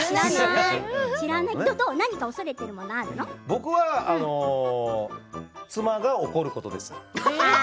僕は、妻が怒ることです。